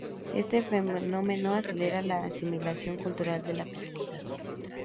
Este fenómeno acelera la asimilación cultural de la comunidad.